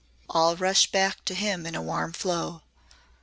All rushed back to him in a warm flow.